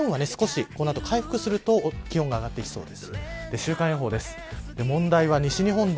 西日本はこの後、少し回復すると気温が上がってきそうです。